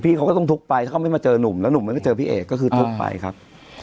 พี่ก็ต้องทุกข์ไปถ้าเขาไม่มาเจอนุ่มแล้วเจอพี่เอกคือทุกข์ไปครับ